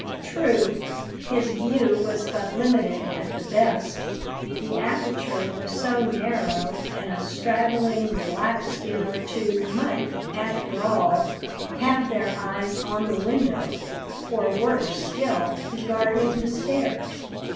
True, his view was but limited at the best the aperture was so narrow, and a straggling blackskin or two might, after all, have their eyes on the window, or, worse still, be guarding the stairs.